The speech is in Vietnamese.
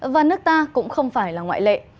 và nước ta cũng không phải là ngoại truyền